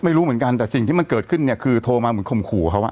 ไม่รู้เหมือนกันแต่สิ่งที่มันเกิดขึ้นเนี่ยคือโทรมาเหมือนข่มขู่เขาอ่ะ